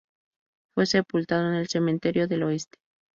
Fue sepultado en el Cementerio del Oeste.